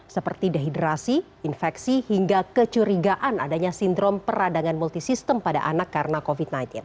seperti dehidrasi infeksi hingga kecurigaan adanya sindrom peradangan multistem pada anak karena covid sembilan belas